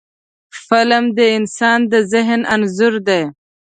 فلم د انسان د ذهن انځور دی